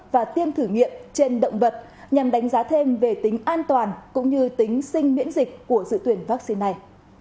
và tiêm thử nghiệm trên động vật nhằm đánh giá thêm về tính an toàn cũng như tính sinh miễn dịch của dự tuyển vaccine này